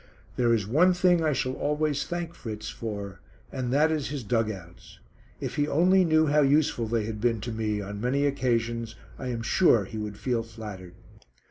There is one thing I shall always thank Fritz for, and that is his dug outs. If he only knew how useful they had been to me on many occasions I am sure he would feel flattered.